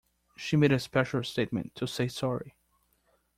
She made a special statement to say sorry